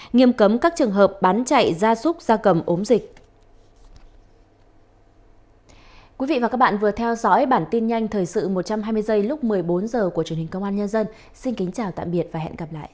nghiêm cấm các trường hợp bán chạy gia súc gia cầm ốm dịch